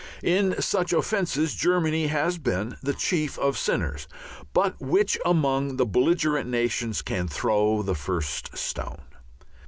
In such offences Germany has been the chief of sinners, but which among the belligerent nations can throw the first stone?